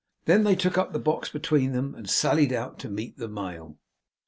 Then they took up the box between them, and sallied out to meet the mail.